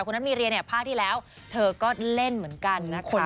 นัทมีเรียเนี่ยภาคที่แล้วเธอก็เล่นเหมือนกันนะคะ